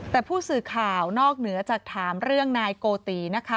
แต่ผู้สื่อข่าวนอกเหนือจากถามเรื่องนายโกตินะคะ